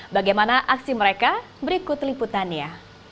bagaimana aksi mereka berikut liputannya